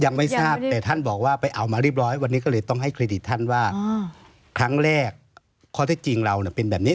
ยังไม่ทราบแต่ท่านบอกว่าไปเอามาเรียบร้อยวันนี้ก็เลยต้องให้เครดิตท่านว่าครั้งแรกข้อเท็จจริงเราเป็นแบบนี้